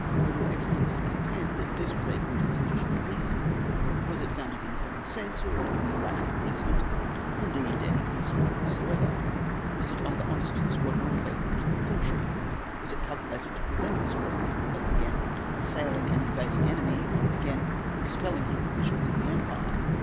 Will your excellency contend that this was a good and sufficient reason? Was it founded in common sense, or on any rational precedent, or indeed any precedent whatever? Was it either honest to the squadron or faithful to the country? Was it not calculated to prevent the squadron from ever again assailing an invading enemy, or again expelling him from the shores of the empire?